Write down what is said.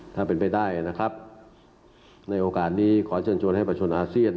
ถ้าเป็นไปได้นะครับในโอกาสนี้ขอเชิญชวนให้ประชนอาเซียน